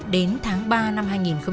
đến tháng ba năm hai nghìn một mươi chín